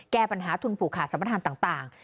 แก้ปัญหาทุนผูกขาดสัมประธานต่าง